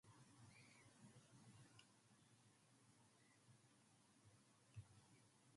Ziade invests in the sports sector in Lebanon.